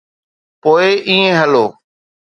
پوءِ ائين هلو.